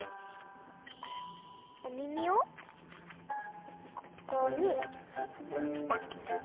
おみみをここにぺた。